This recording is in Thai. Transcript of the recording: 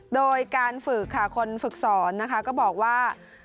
โดยการฝึกค่ะคนฝึกสอนนะคะก็บอกว่า